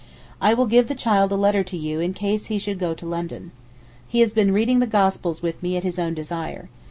I will give the child a letter to you in case he should go to London. He has been reading the gospels with me at his own desire.